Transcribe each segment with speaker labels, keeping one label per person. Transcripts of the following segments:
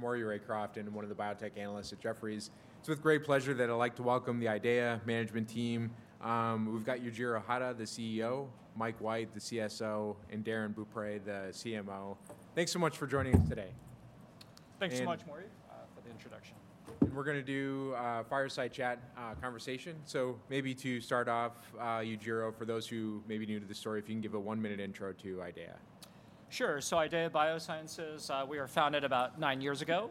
Speaker 1: It's Maury Raycroft, I'm one of the biotech analysts at Jefferies. It's with great pleasure that I'd like to welcome the IDEAYA management team. We've got Yujiro Hata, the CEO, Mike White, the CSO, and Darrin Beaupre, the CMO. Thanks so much for joining us today.
Speaker 2: Thanks so much, Maury-
Speaker 1: And-
Speaker 2: for the introduction.
Speaker 1: We're gonna do fireside chat, conversation. Maybe to start off, Yujiro, for those who may be new to the story, if you can give a one-minute intro to IDEAYA.
Speaker 2: Sure. So IDEAYA Biosciences, we were founded about nine years ago.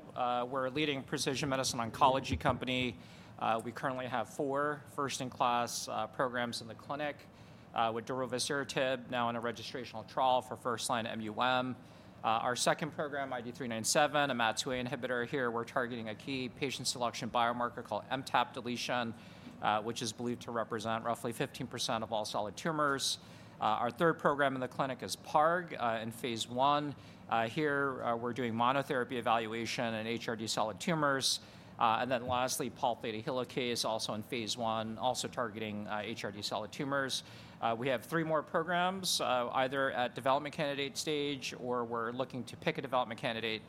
Speaker 2: We're a leading precision medicine oncology company. We currently have four first-in-class programs in the clinic, with darovosertib, now in a registrational trial for first-line MUM. Our second program, IDE397, a MAT2A inhibitor. Here, we're targeting a key patient selection biomarker called MTAP deletion, which is believed to represent roughly 15% of all solid tumors. Our third program in the clinic is PARP, in phase I. Here, we're doing monotherapy evaluation in HRD solid tumors. And then lastly, Pol Theta helicase, also in phase I, also targeting HRD solid tumors. We have three more programs, either at development candidate stage or we're looking to pick a development candidate,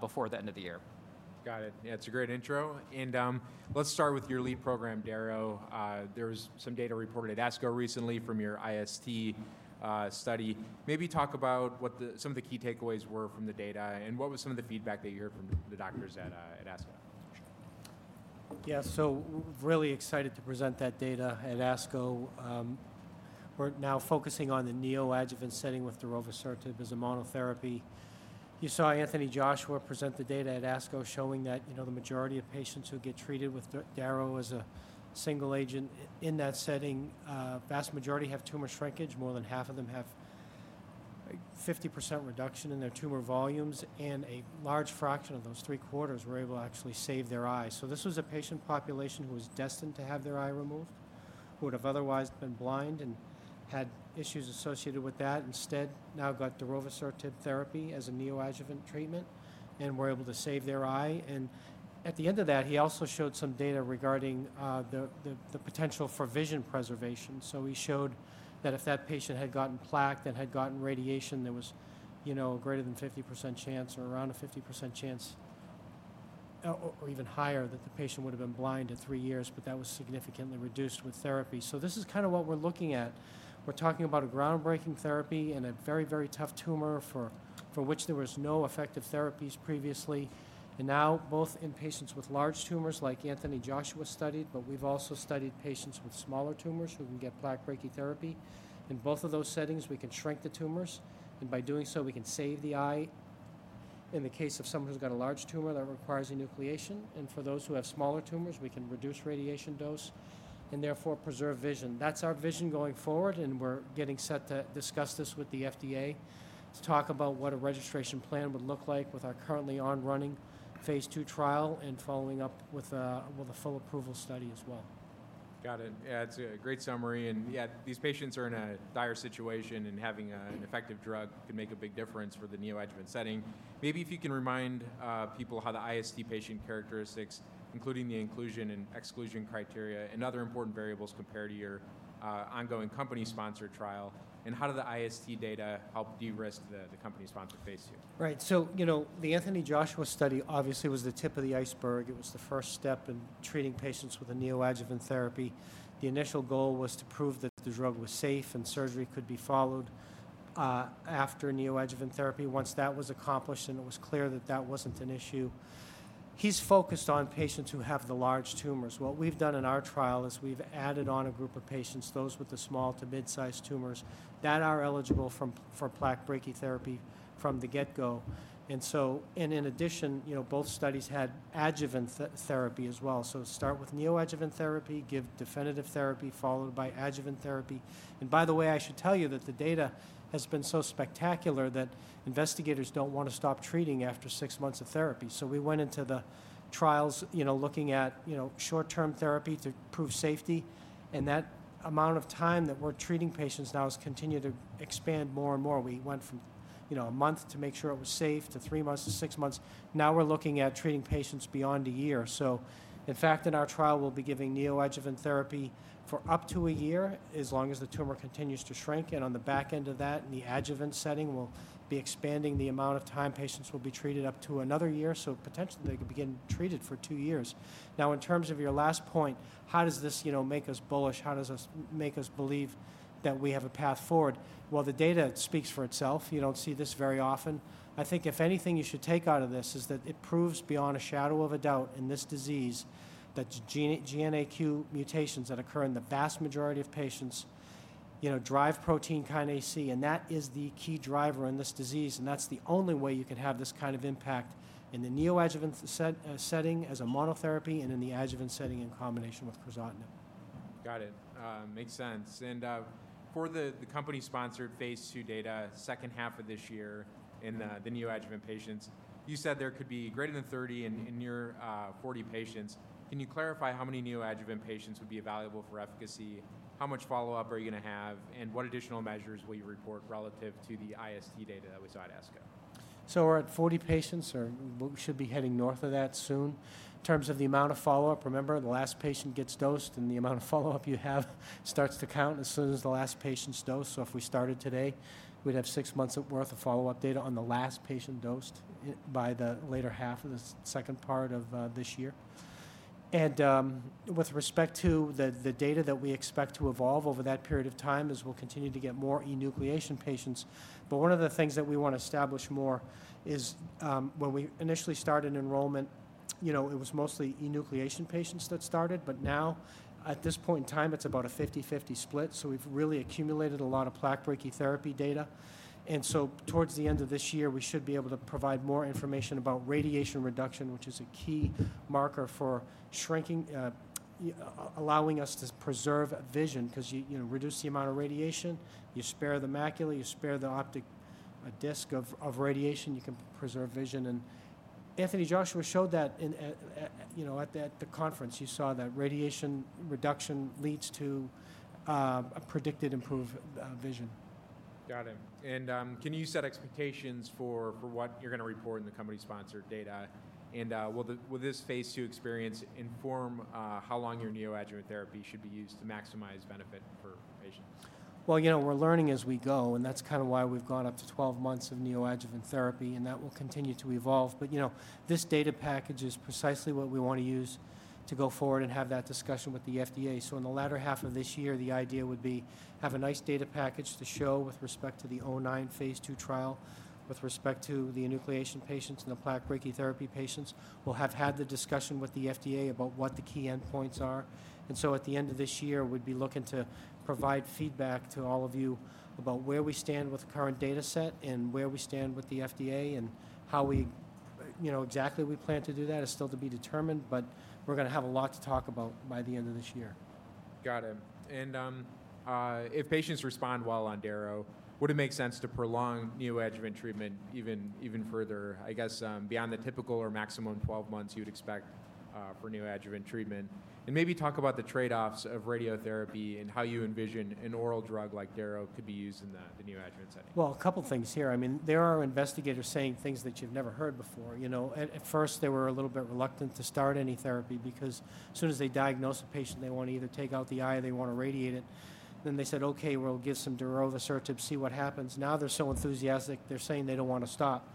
Speaker 2: before the end of the year.
Speaker 1: Got it. Yeah, it's a great intro, and, let's start with your lead program, daro. There was some data reported at ASCO recently from your IST study. Maybe talk about what some of the key takeaways were from the data, and what was some of the feedback that you heard from the doctors at ASCO?
Speaker 3: Yeah. So really excited to present that data at ASCO. We're now focusing on the neoadjuvant setting with darovosertib as a monotherapy. You saw Anthony Joshua present the data at ASCO, showing that, you know, the majority of patients who get treated with darovosertib as a single agent in that setting, vast majority have tumor shrinkage. More than half of them have a 50% reduction in their tumor volumes, and a large fraction of those three-quarters were able to actually save their eye. So this was a patient population who was destined to have their eye removed, who would have otherwise been blind and had issues associated with that. Instead, now got darovosertib therapy as a neoadjuvant treatment and were able to save their eye. And at the end of that, he also showed some data regarding the potential for vision preservation. So he showed that if that patient had gotten plaque that had gotten radiation, there was, you know, a greater than 50% chance or around a 50% chance, or even higher, that the patient would have been blind in three years, but that was significantly reduced with therapy. So this is kind of what we're looking at. We're talking about a groundbreaking therapy and a very, very tough tumor for which there was no effective therapies previously. And now, both in patients with large tumors like Anthony Joshua studied, but we've also studied patients with smaller tumors who can get plaque brachytherapy. In both of those settings, we can shrink the tumors, and by doing so, we can save the eye in the case of someone who's got a large tumor that requires enucleation. For those who have smaller tumors, we can reduce radiation dose and therefore preserve vision. That's our vision going forward, and we're getting set to discuss this with the FDA, to talk about what a registration plan would look like with our currently ongoing phase II trial and following up with a full approval study as well.
Speaker 1: Got it. Yeah, it's a great summary. Yeah, these patients are in a dire situation, and having an effective drug can make a big difference for the neoadjuvant setting. Maybe if you can remind people how the IST patient characteristics, including the inclusion and exclusion criteria and other important variables, compare to your ongoing company-sponsored trial, and how do the IST data help de-risk the company-sponsored phase II?
Speaker 3: Right. So, you know, the Anthony Joshua study obviously was the tip of the iceberg. It was the first step in treating patients with a neoadjuvant therapy. The initial goal was to prove that the drug was safe and surgery could be followed after neoadjuvant therapy. Once that was accomplished and it was clear that that wasn't an issue, he's focused on patients who have the large tumors. What we've done in our trial is we've added on a group of patients, those with the small to mid-sized tumors, that are eligible for plaque brachytherapy from the get-go. And in addition, you know, both studies had adjuvant therapy as well. So start with neoadjuvant therapy, give definitive therapy, followed by adjuvant therapy. By the way, I should tell you that the data has been so spectacular that investigators don't want to stop treating after six months of therapy. So we went into the trials, you know, looking at, you know, short-term therapy to prove safety, and that amount of time that we're treating patients now has continued to expand more and more. We went from, you know, a month to make sure it was safe to 3 months to six months. Now we're looking at treating patients beyond a year. So in fact, in our trial, we'll be giving neoadjuvant therapy for up to a year, as long as the tumor continues to shrink, and on the back end of that, in the adjuvant setting, we'll be expanding the amount of time patients will be treated up to another year. So potentially, they could begin treated for two years. Now, in terms of your last point, how does this, you know, make us bullish? How does this make us believe that we have a path forward? Well, the data speaks for itself. You don't see this very often. I think if anything you should take out of this is that it proves beyond a shadow of a doubt in this disease that GNAQ mutations that occur in the vast majority of patients, you know, drive protein kinase C, and that is the key driver in this disease, and that's the only way you can have this kind of impact in the neoadjuvant setting as a monotherapy and in the adjuvant setting in combination with crizotinib.
Speaker 1: Got it. Makes sense. And for the company-sponsored phase II data, second half of this year in the neoadjuvant patients, you said there could be greater than 30 and near 40 patients. Can you clarify how many neoadjuvant patients would be valuable for efficacy? How much follow-up are you going to have, and what additional measures will you report relative to the IST data that we saw at ASCO?
Speaker 3: So we're at 40 patients, or we should be heading north of that soon. In terms of the amount of follow-up, remember, the last patient gets dosed, and the amount of follow-up you have starts to count as soon as the last patient's dosed. So if we started today, we'd have six months' worth of follow-up data on the last patient dosed by the later half of the second part of this year. With respect to the data that we expect to evolve over that period of time as we'll continue to get more enucleation patients. But one of the things that we want to establish more is, when we initially started enrollment, you know, it was mostly enucleation patients that started, but now at this point in time, it's about a 50/50 split. So we've really accumulated a lot of plaque brachytherapy data. And so towards the end of this year, we should be able to provide more information about radiation reduction, which is a key marker for shrinking, allowing us to preserve vision. Because you, you know, reduce the amount of radiation, you spare the macula, you spare the optic disc of, of radiation, you can preserve vision. And Anthony Joshua showed that in, you know, at that, the conference, you saw that radiation reduction leads to, a predicted improve vision.
Speaker 1: Got it. And, can you set expectations for what you're going to report in the company-sponsored data? And, will this phase II experience inform how long your neoadjuvant therapy should be used to maximize benefit for patients?
Speaker 3: Well, you know, we're learning as we go, and that's kind of why we've gone up to 12 months of neoadjuvant therapy, and that will continue to evolve. But, you know, this data package is precisely what we want to use to go forward and have that discussion with the FDA. So in the latter half of this year, the idea would be, have a nice data package to show with respect to the '09 phase II trial, with respect to the enucleation patients and the plaque brachytherapy patients. We'll have had the discussion with the FDA about what the key endpoints are. At the end of this year, we'd be looking to provide feedback to all of you about where we stand with the current data set and where we stand with the FDA and how we, you know, exactly we plan to do that is still to be determined, but we're going to have a lot to talk about by the end of this year.
Speaker 1: Got it. And, if patients respond well on daro, would it make sense to prolong neoadjuvant treatment even further, I guess, beyond the typical or maximum 12 months you'd expect, for neoadjuvant treatment? And maybe talk about the trade-offs of radiotherapy and how you envision an oral drug like daro could be used in the neoadjuvant setting.
Speaker 3: Well, a couple of things here. I mean, there are investigators saying things that you've never heard before, you know. At first, they were a little bit reluctant to start any therapy because as soon as they diagnose a patient, they want to either take out the eye or they want to radiate it. Then they said, "Okay, we'll give some darovosertib, see what happens." Now, they're so enthusiastic, they're saying they don't want to stop.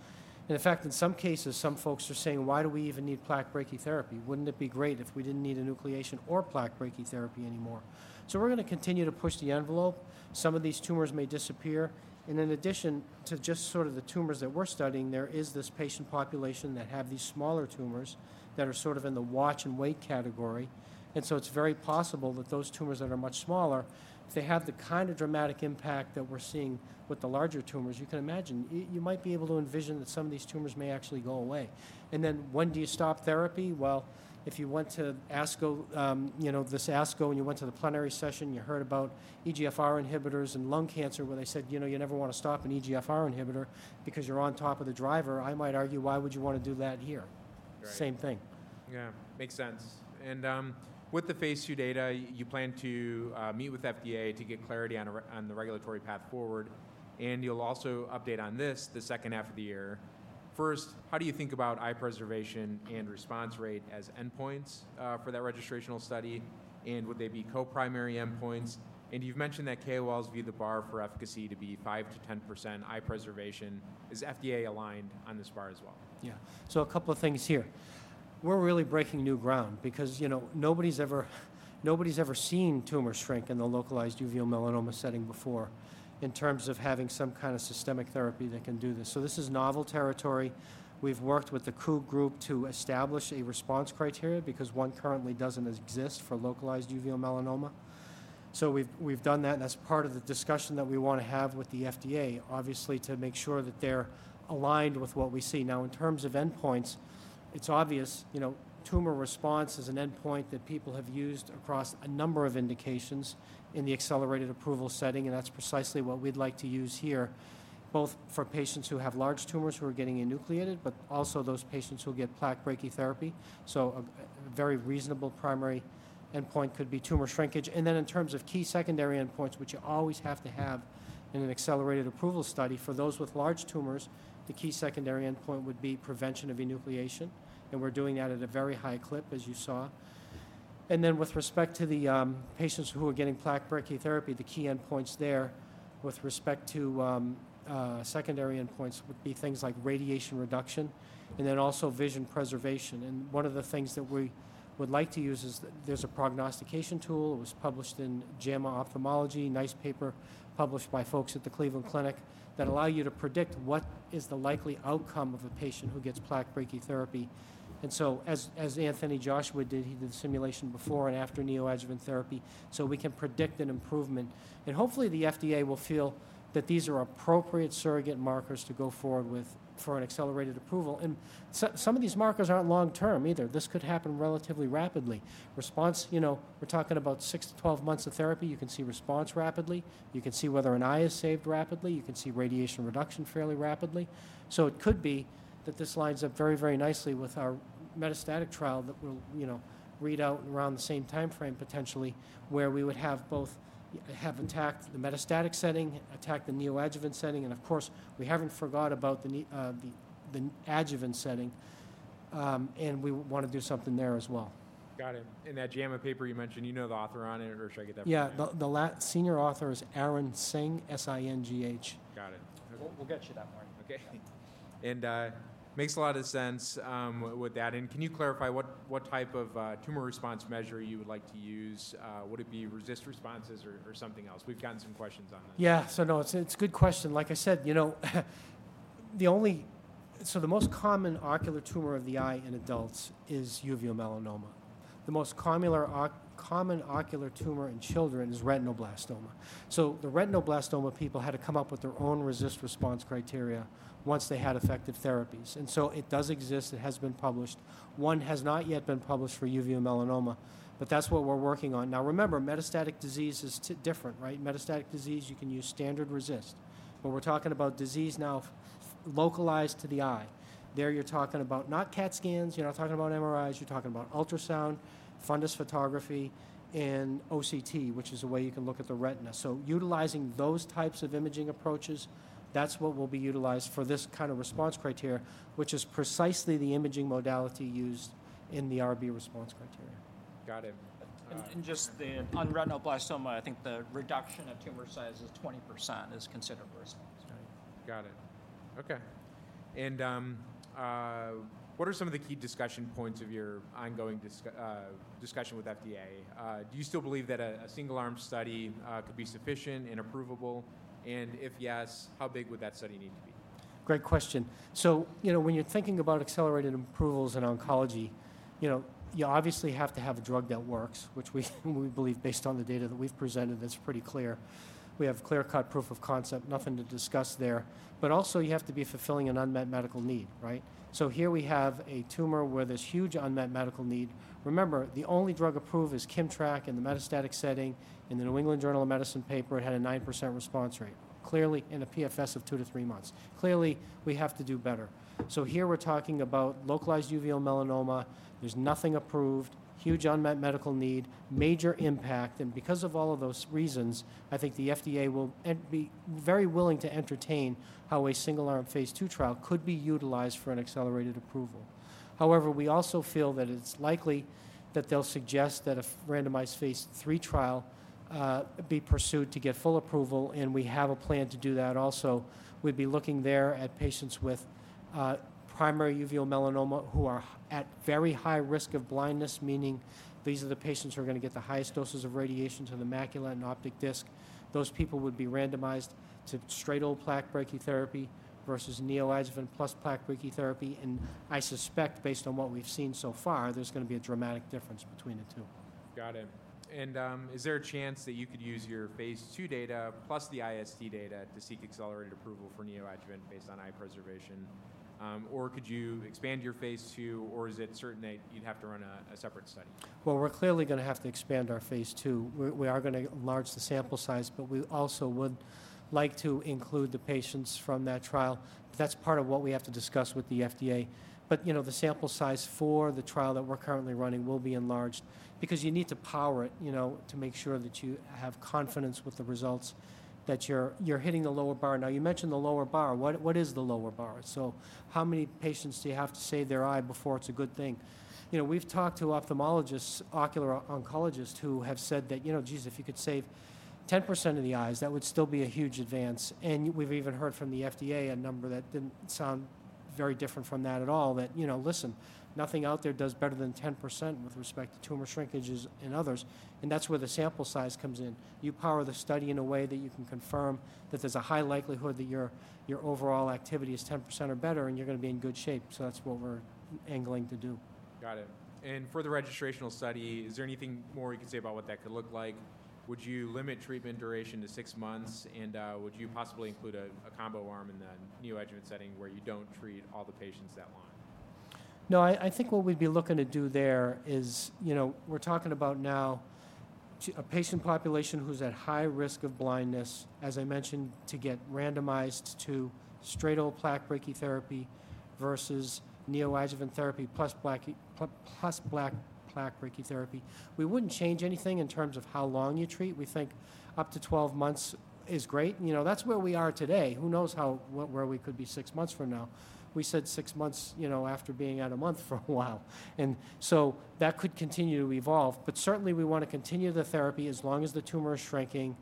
Speaker 3: And in fact, in some cases, some folks are saying: "Why do we even need plaque brachytherapy? Wouldn't it be great if we didn't need enucleation or plaque brachytherapy anymore?" So we're going to continue to push the envelope. Some of these tumors may disappear. In addition to just sort of the tumors that we're studying, there is this patient population that have these smaller tumors that are sort of in the watch and wait category. So it's very possible that those tumors that are much smaller, if they have the kind of dramatic impact that we're seeing with the larger tumors, you can imagine, you might be able to envision that some of these tumors may actually go away. Then when do you stop therapy? Well, if you went to ASCO, you know, this ASCO, and you went to the plenary session, you heard about EGFR inhibitors and lung cancer, where they said, "You know, you never want to stop an EGFR inhibitor because you're on top of the driver." I might argue, why would you want to do that here?
Speaker 1: Right.
Speaker 3: Same thing.
Speaker 1: Yeah, makes sense. And, with the phase II data, you plan to meet with FDA to get clarity on the regulatory path forward, and you'll also update on this the second half of the year. First, how do you think about eye preservation and response rate as endpoints for that registrational study, and would they be co-primary endpoints? And you've mentioned that KOLs view the bar for efficacy to be 5%-10% eye preservation. Is FDA aligned on this bar as well?
Speaker 3: Yeah. So a couple of things here. We're really breaking new ground because, you know, nobody's ever, nobody's ever seen tumors shrink in the localized uveal melanoma setting before, in terms of having some kind of systemic therapy that can do this. So this is novel territory. We've worked with the Curie Group to establish a response criteria because one currently doesn't exist for localized uveal melanoma. So we've, we've done that, and that's part of the discussion that we want to have with the FDA, obviously, to make sure that they're aligned with what we see. Now, in terms of endpoints, it's obvious, you know, tumor response is an endpoint that people have used across a number of indications in the accelerated approval setting, and that's precisely what we'd like to use here, both for patients who have large tumors who are getting enucleated, but also those patients who get plaque brachytherapy. So a very reasonable primary endpoint could be tumor shrinkage. And then in terms of key secondary endpoints, which you always have to have in an accelerated approval study, for those with large tumors, the key secondary endpoint would be prevention of enucleation, and we're doing that at a very high clip, as you saw. And then with respect to the patients who are getting plaque brachytherapy, the key endpoints there with respect to secondary endpoints would be things like radiation reduction and then also vision preservation. One of the things that we would like to use is there's a prognostication tool. It was published in JAMA Ophthalmology, nice paper published by folks at the Cleveland Clinic, that allows you to predict what is the likely outcome of a patient who gets plaque brachytherapy. And so as Anthony Joshua did, he did the simulation before and after neoadjuvant therapy, so we can predict an improvement. And hopefully, the FDA will feel that these are appropriate surrogate markers to go forward with for an accelerated approval. And so some of these markers aren't long-term either. This could happen relatively rapidly. Response, you know, we're talking about 6-12 months of therapy, you can see response rapidly, you can see whether an eye is saved rapidly, you can see radiation reduction fairly rapidly. So it could be that this lines up very, very nicely with our metastatic trial that will, you know, read out around the same time frame, potentially, where we would have both, have attacked the metastatic setting, attacked the neoadjuvant setting, and of course, we haven't forgot about the adjuvant setting, and we want to do something there as well.
Speaker 1: Got it. In that JAMA paper you mentioned, you know the author on it, or should I get that for you?
Speaker 3: Yeah. The senior author is Arun Singh, S-I-N-G-H.
Speaker 1: Got it. We'll get you that, Martin. Okay.
Speaker 3: Yeah.
Speaker 1: And, makes a lot of sense with that. And can you clarify what type of tumor response measure you would like to use? Would it be RECIST responses or something else? We've gotten some questions on that.
Speaker 3: Yeah. So, no, it's a good question. Like I said, you know, So the most common ocular tumor of the eye in adults is uveal melanoma. The most common ocular tumor in children is retinoblastoma. So the retinoblastoma people had to come up with their own RECIST response criteria once they had effective therapies. And so it does exist, it has been published. One has not yet been published for uveal melanoma, but that's what we're working on. Now, remember, metastatic disease is different, right? Metastatic disease, you can use standard RECIST. But we're talking about disease now localized to the eye. There you're talking about not CAT scans, you're not talking about MRIs, you're talking about ultrasound, fundus photography, and OCT, which is a way you can look at the retina. Utilizing those types of imaging approaches, that's what will be utilized for this kind of response criteria, which is precisely the imaging modality used in the RB response criteria.
Speaker 1: Got it.
Speaker 2: On retinoblastoma, I think the reduction of tumor size is 20% is considered a response, right?
Speaker 1: Got it. Okay. And, what are some of the key discussion points of your ongoing discussion with FDA? Do you still believe that a single-arm study could be sufficient and approvable? And if yes, how big would that study need to be?
Speaker 3: Great question. So, you know, when you're thinking about accelerated approvals in oncology, you know, you obviously have to have a drug that works, which we, we believe, based on the data that we've presented, that's pretty clear. We have clear-cut proof of concept, nothing to discuss there. But also, you have to be fulfilling an unmet medical need, right? So here we have a tumor where there's huge unmet medical need. Remember, the only drug approved is Kimmtrak in the metastatic setting. In the New England Journal of Medicine paper, it had a 9% response rate, clearly in a PFS of 2-3 months. Clearly, we have to do better. So here we're talking about localized uveal melanoma. There's nothing approved, huge unmet medical need, major impact, and because of all of those reasons, I think the FDA will be very willing to entertain how a single-arm phase II trial could be utilized for an accelerated approval. However, we also feel that it's likely that they'll suggest that a randomized phase III trial be pursued to get full approval, and we have a plan to do that also. We'd be looking there at patients with primary uveal melanoma who are at very high risk of blindness, meaning these are the patients who are going to get the highest doses of radiation to the macula and optic disc. Those people would be randomized to straight old plaque brachytherapy versus neoadjuvant plus plaque brachytherapy. And I suspect, based on what we've seen so far, there's going to be a dramatic difference between the two.
Speaker 1: Got it. Is there a chance that you could use your phase II data plus the IST data to seek accelerated approval for neoadjuvant based on eye preservation? Or could you expand your phase II, or is it certain that you'd have to run a separate study?
Speaker 3: Well, we're clearly going to have to expand our phase II. We are going to enlarge the sample size, but we also would like to include the patients from that trial. That's part of what we have to discuss with the FDA. But, you know, the sample size for the trial that we're currently running will be enlarged because you need to power it, you know, to make sure that you have confidence with the results, that you're hitting the lower bar. Now, you mentioned the lower bar. What is the lower bar? So how many patients do you have to save their eye before it's a good thing? You know, we've talked to ophthalmologists, ocular oncologists, who have said that, "You know, geez, if you could save 10% of the eyes, that would still be a huge advance." And we've even heard from the FDA a number that didn't sound very different from that at all, that, you know, listen, nothing out there does better than 10% with respect to tumor shrinkages in others, and that's where the sample size comes in. You power the study in a way that you can confirm that there's a high likelihood that your, your overall activity is 10% or better, and you're going to be in good shape. So that's what we're angling to do.
Speaker 1: Got it. And for the registrational study, is there anything more you can say about what that could look like? Would you limit treatment duration to six months, and would you possibly include a combo arm in the neoadjuvant setting where you don't treat all the patients that long?
Speaker 3: No, I think what we'd be looking to do there is, you know, we're talking about now a patient population who's at high risk of blindness, as I mentioned, to get randomized to straight old plaque brachytherapy versus neoadjuvant therapy, plus plaque, plus plaque brachytherapy. We wouldn't change anything in terms of how long you treat. We think up to 12 months is great. You know, that's where we are today. Who knows how, where we could be six months from now? We said six months, you know, after being at a month for a while, and so that could continue to evolve. But certainly, we want to continue the therapy as long as the tumor is shrinking,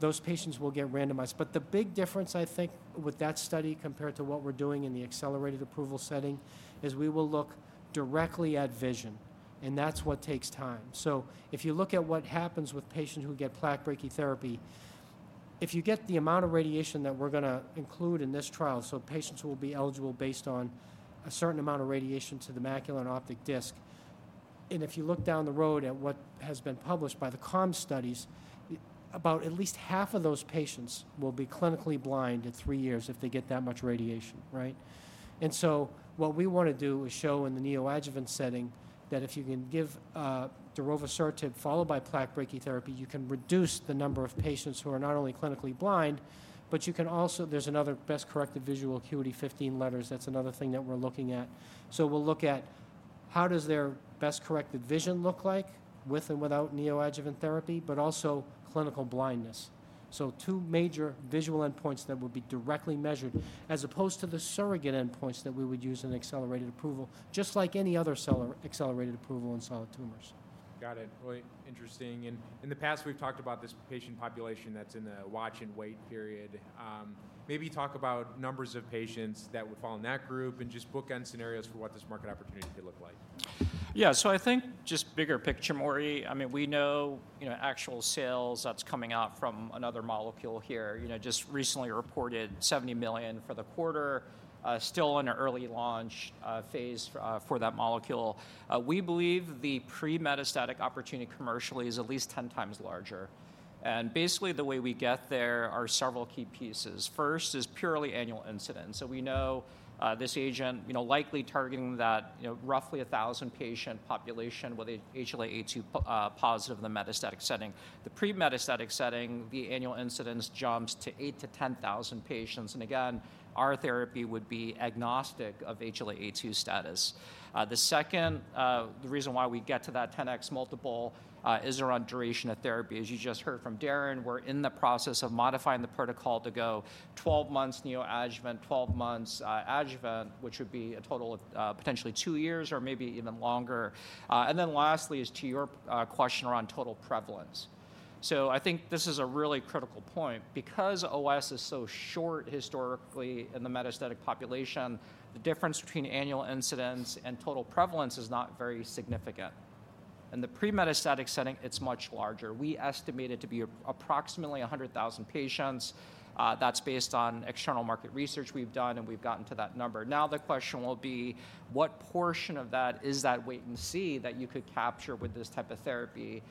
Speaker 3: those patients will get randomized. But the big difference, I think, with that study, compared to what we're doing in the accelerated approval setting, is we will look directly at vision, and that's what takes time. So if you look at what happens with patients who get plaque brachytherapy, if you get the amount of radiation that we're going to include in this trial, so patients will be eligible based on a certain amount of radiation to the macula and optic disc. And if you look down the road at what has been published by the COMS studies, about at least half of those patients will be clinically blind in three years if they get that much radiation, right? And so what we want to do is show in the neoadjuvant setting that if you can give darovosertib followed by plaque brachytherapy, you can reduce the number of patients who are not only clinically blind, but you can also, there's another best-corrected visual acuity, 15 letters. That's another thing that we're looking at. So we'll look at how does their best-corrected vision look like with and without neoadjuvant therapy, but also clinical blindness. So two major visual endpoints that will be directly measured, as opposed to the surrogate endpoints that we would use in accelerated approval, just like any other solid accelerated approval in solid tumors....
Speaker 1: Got it. Really interesting. In the past, we've talked about this patient population that's in the watch and wait period. Maybe talk about numbers of patients that would fall in that group and just bookend scenarios for what this market opportunity could look like.
Speaker 2: Yeah. So I think just bigger picture, Maury, I mean, we know, you know, actual sales that's coming out from another molecule here, you know, just recently reported $70 million for the quarter, still in an early launch phase for that molecule. We believe the pre-metastatic opportunity commercially is at least 10 times larger. And basically, the way we get there are several key pieces. First is purely annual incidence. So we know, this agent, you know, likely targeting that, you know, roughly a 1,000 patient population with HLA-A2 positive in the metastatic setting. The pre-metastatic setting, the annual incidence jumps to 8,000-10,000 patients, and again, our therapy would be agnostic of HLA-A2 status. The second, the reason why we get to that 10x multiple is around duration of therapy. As you just heard from Darrin, we're in the process of modifying the protocol to go 12 months neoadjuvant, 12 months adjuvant, which would be a total of potentially two years or maybe even longer. And then lastly is to your question around total prevalence. So I think this is a really critical point. Because OS is so short historically in the metastatic population, the difference between annual incidence and total prevalence is not very significant. In the pre-metastatic setting, it's much larger. We estimate it to be approximately 100,000 patients. That's based on external market research we've done, and we've gotten to that number. Now, the question will be: What portion of that is that wait and see that you could capture with this type of therapy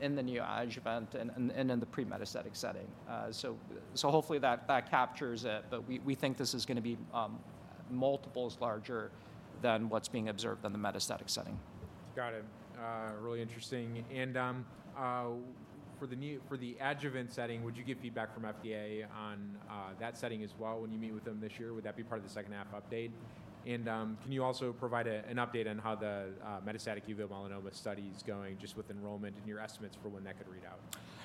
Speaker 2: in the neoadjuvant and in the pre-metastatic setting? So hopefully that captures it, but we think this is gonna be multiples larger than what's being observed in the metastatic setting.
Speaker 1: Got it. Really interesting. For the adjuvant setting, would you get feedback from FDA on that setting as well when you meet with them this year? Would that be part of the second half update? Can you also provide an update on how the metastatic uveal melanoma study is going, just with enrollment and your estimates for when that could read out?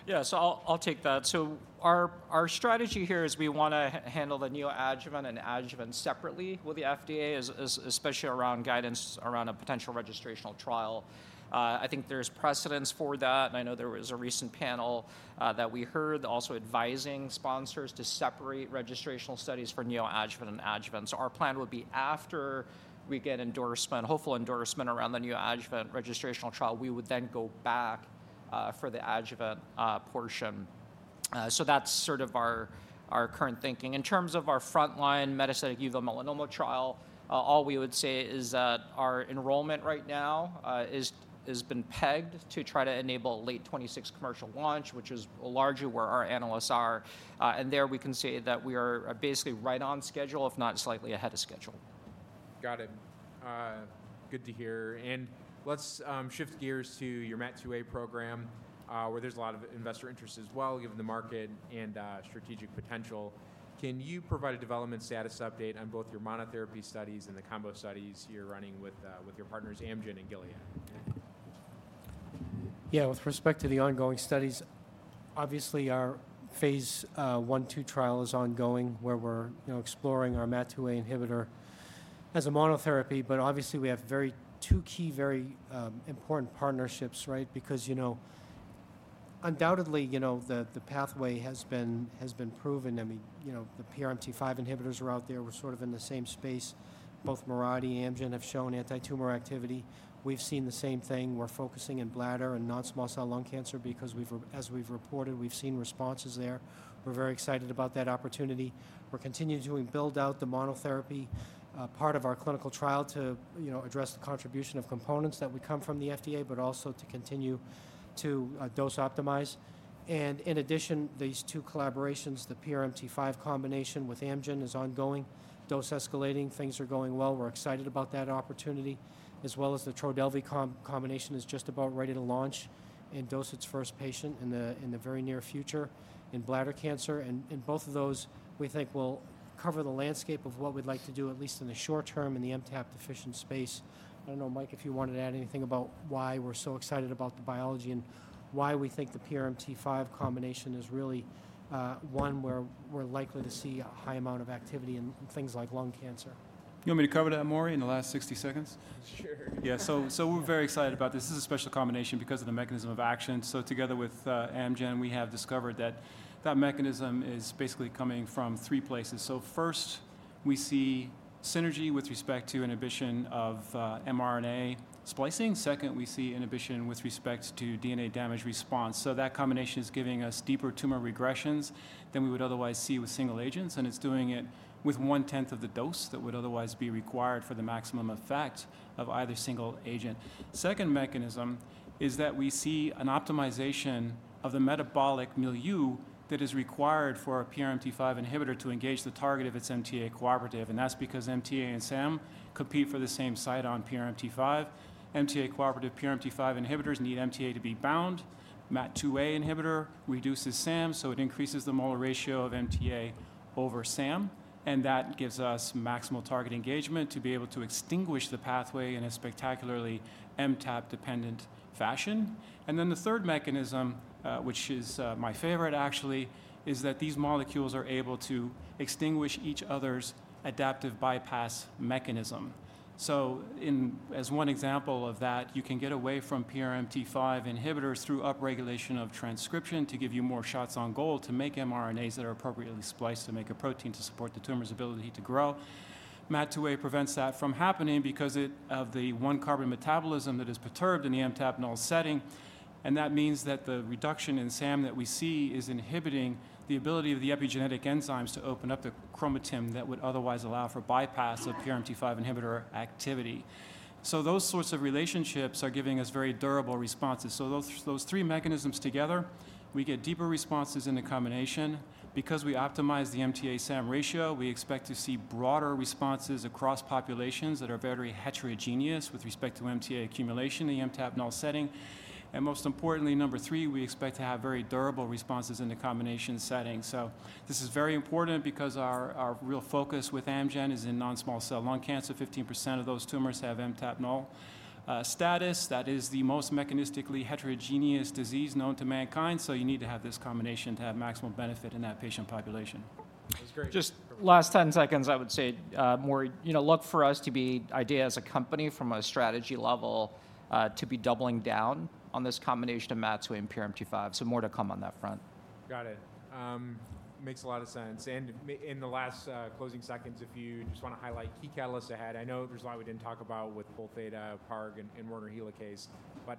Speaker 2: Yeah. So I'll take that. So our strategy here is we wanna handle the neoadjuvant and adjuvant separately with the FDA, especially around guidance around a potential registrational trial. I think there's precedence for that, and I know there was a recent panel that we heard also advising sponsors to separate registrational studies for neoadjuvant and adjuvant. So our plan would be after we get endorsement, hopeful endorsement around the neoadjuvant registrational trial, we would then go back for the adjuvant portion. So that's sort of our current thinking. In terms of our frontline metastatic uveal melanoma trial, all we would say is that our enrollment right now is has been pegged to try to enable a late 2026 commercial launch, which is largely where our analysts are. There we can say that we are basically right on schedule, if not slightly ahead of schedule.
Speaker 1: Got it. Good to hear. And let's shift gears to your MAT2A program, where there's a lot of investor interest as well, given the market and strategic potential. Can you provide a development status update on both your monotherapy studies and the combo studies you're running with your partners Amgen and Gilead?
Speaker 3: Yeah. With respect to the ongoing studies, obviously, our phase I/II trial is ongoing, where we're, you know, exploring our MAT2A inhibitor as a monotherapy. But obviously, we have very two key, very important partnerships, right? Because, you know, undoubtedly, you know, the, the pathway has been, has been proven. I mean, you know, the PRMT5 inhibitors are out there. We're sort of in the same space. Both Mirati and Amgen have shown anti-tumor activity. We've seen the same thing. We're focusing in bladder and non-small cell lung cancer because we've, as we've reported, we've seen responses there. We're very excited about that opportunity. We're continuing to build out the monotherapy part of our clinical trial to, you know, address the contribution of components that would come from the FDA, but also to continue to dose optimize. In addition, these two collaborations, the PRMT5 combination with Amgen, is ongoing, dose escalating. Things are going well. We're excited about that opportunity, as well as the Trodelvy combination is just about ready to launch and dose its first patient in the very near future in bladder cancer. And in both of those, we think we'll cover the landscape of what we'd like to do, at least in the short term, in the MTAP deficient space. I don't know, Mike, if you wanted to add anything about why we're so excited about the biology and why we think the PRMT5 combination is really one where we're likely to see a high amount of activity in things like lung cancer.
Speaker 4: You want me to cover that, Maury, in the last 60 seconds?
Speaker 1: Sure.
Speaker 4: Yeah. So, so we're very excited about this. This is a special combination because of the mechanism of action. So together with Amgen, we have discovered that that mechanism is basically coming from three places. So first, we see synergy with respect to inhibition of mRNA splicing. Second, we see inhibition with respect to DNA damage response. So that combination is giving us deeper tumor regressions than we would otherwise see with single agents, and it's doing it with one-tenth of the dose that would otherwise be required for the maximum effect of either single agent. Second mechanism is that we see an optimization of the metabolic milieu that is required for a PRMT5 inhibitor to engage the target of its MTA cooperative, and that's because MTA and SAM compete for the same site on PRMT5. MTA cooperative PRMT5 inhibitors need MTA to be bound. MAT2A inhibitor reduces SAM, so it increases the molar ratio of MTA over SAM, and that gives us maximal target engagement to be able to extinguish the pathway in a spectacularly MTAP-dependent fashion. And then the third mechanism, which is, my favorite actually, is that these molecules are able to extinguish each other's adaptive bypass mechanism. So in, as one example of that, you can get away from PRMT5 inhibitors through upregulation of transcription to give you more shots on goal, to make mRNAs that are appropriately spliced, to make a protein to support the tumor's ability to grow. MAT2A prevents that from happening because of the one-carbon metabolism that is perturbed in the MTAP-null setting, and that means that the reduction in SAM that we see is inhibiting the ability of the epigenetic enzymes to open up the chromatin that would otherwise allow for bypass of PRMT5 inhibitor activity. So those sorts of relationships are giving us very durable responses. So those three mechanisms together, we get deeper responses in the combination. Because we optimize the MTA SAM ratio, we expect to see broader responses across populations that are very heterogeneous with respect to MTA accumulation in the MTAP-null setting. And most importantly, number three, we expect to have very durable responses in the combination setting. So this is very important because our real focus with Amgen is in non-small cell lung cancer. 15% of those tumors have MTAP-null status. That is the most mechanistically heterogeneous disease known to mankind, so you need to have this combination to have maximum benefit in that patient population.
Speaker 1: That's great.
Speaker 2: Just last 10 seconds, I would say, more, you know, look for us to be, IDEAYA as a company from a strategy level, to be doubling down on this combination of MAT2A and PRMT5. So more to come on that front.
Speaker 1: Got it. Makes a lot of sense. And in the last closing seconds, if you just want to highlight key catalysts ahead. I know there's a lot we didn't talk about with Pol theta, PARP, and Werner helicase, but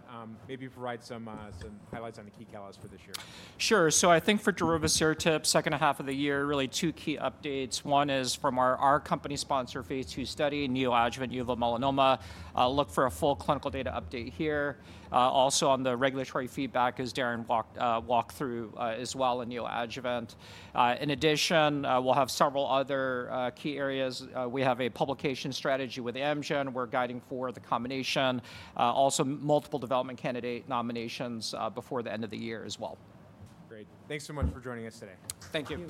Speaker 1: maybe provide some highlights on the key catalysts for this year.
Speaker 2: Sure. So I think for darovosertib, second half of the year, really two key updates. One is from our company-sponsored phase II study, neoadjuvant uveal melanoma. Look for a full clinical data update here. Also on the regulatory feedback as Darrin walked through, as well in neoadjuvant. In addition, we'll have several other key areas. We have a publication strategy with Amgen. We're guiding for the combination, also multiple development candidate nominations, before the end of the year as well.
Speaker 1: Great. Thanks so much for joining us today.
Speaker 2: Thank you.